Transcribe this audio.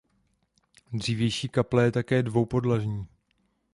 Dřívější kaple je také dvoupodlažní.